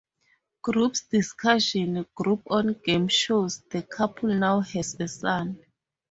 Groups discussion group on game shows; the couple now has a son.